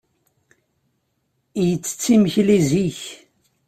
Yettett imekli zik.